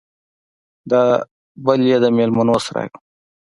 دا بل يې د ميلمنو سراى و.